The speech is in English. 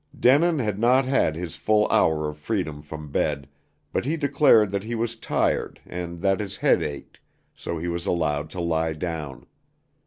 Denin had not had his full hour of freedom from bed, but he declared that he was tired and that his head ached, so he was allowed to lie down.